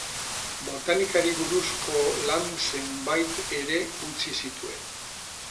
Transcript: Botanikari buruzko lan zenbait ere utzi zituen.